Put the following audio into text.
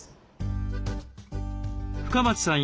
深町さん